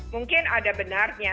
mungkin ada benarnya